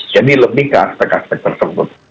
lebih ke aspek aspek tersebut